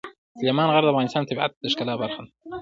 سلیمان غر د افغانستان د طبیعت د ښکلا برخه ده.